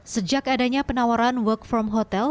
sejak adanya penawaran work from hotel